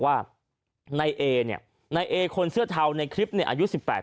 ว่านายเอเนี่ยนายเอคนเสื้อเทาในคลิปเนี่ยอายุสิบแปด